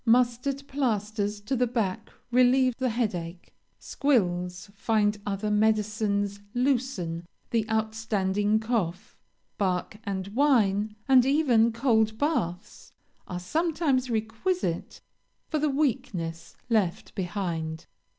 Mustard plasters to the back relieve the headache. Squills find other medicines 'loosen' the outstanding cough. Bark and wine, and even cold baths are sometimes requisite for the weakness left behind.